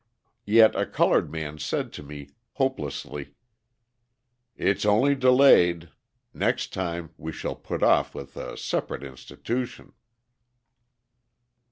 Yet a coloured man said to me hopelessly: "It's only delayed. Next time we shall be put off with a separate institution."